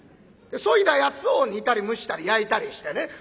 でそいだやつを煮たり蒸したり焼いたりしてね。